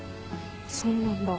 そうなんだ。